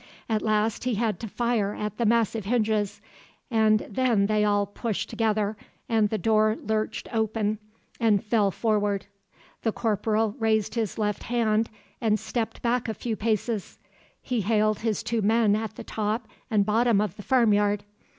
At last he had to fire at the massive hinges, and then they all pushed together and the door lurched open and fell forward. The corporal raised his left hand and stepped back a few paces. He hailed his two men at the top and bottom of the farmyard.